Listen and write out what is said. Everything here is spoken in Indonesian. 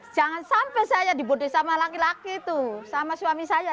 jangan sampai saya dibude sama laki laki tuh sama suami saya